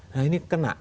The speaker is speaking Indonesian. nah ini kena